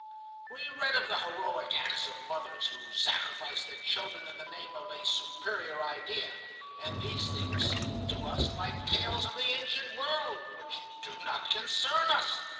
We read of the heroic acts of mothers who sacrifice their children in the name of a superior idea, and these things seem to us like tales of the ancient world, which do not concern us.